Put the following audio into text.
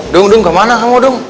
dung dung kemana kamu dung